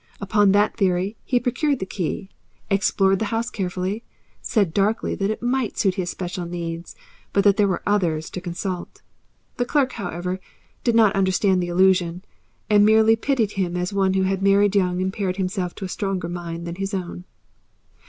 Upon that theory he procured the key, explored the house carefully, said darkly that it might suit his special needs, but that there were OTHERS to consult. The clerk, however, did not understand the allusion, and merely pitied him as one who had married young and paired himself to a stronger mind than his own.